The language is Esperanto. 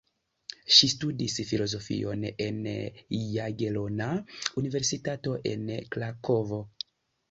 Ŝi studis filozofion en Jagelona Universitato en Krakovo.